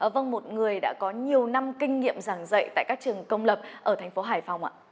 vâng một người đã có nhiều năm kinh nghiệm giảng dạy tại các trường công lập ở thành phố hải phòng ạ